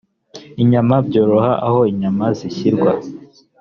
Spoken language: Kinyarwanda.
inyama byoroha aho inyama zishyirwa